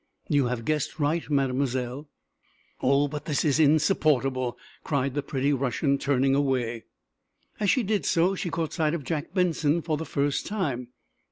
"You have guessed right, Mademoiselle." "Oh, but this is insupportable!" cried the pretty Russian, turning away. As she did so, she caught sight of Jack Benson for the first time.